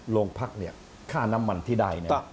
โรงพักเนี่ยค่าน้ำมันที่ได้เนี่ย